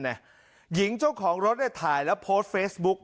หญิงเจ้าของรถได้ถ่ายแล้วโพสต์เฟซบุ๊ก